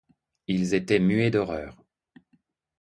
Ils étaient muets d’horreur.